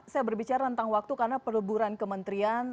saya berbicara tentang waktu karena perleburan kementerian